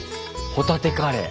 ホタテカレー。